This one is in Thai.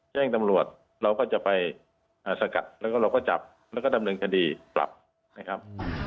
แจ้งตำรวจเราก็จะไปสกัดแล้วก็เราก็จับแล้วก็ดำเนินคดีกลับนะครับ